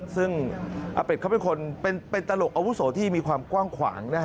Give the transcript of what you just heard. ซึ่งอาเป็ดเขาเป็นคนเป็นตลกอาวุโสที่มีความกว้างขวาง